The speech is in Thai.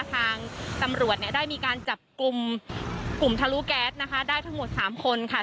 ทางตำรวจเนี่ยได้มีการจับกลุ่มกลุ่มทะลุแก๊สนะคะได้ทั้งหมด๓คนค่ะ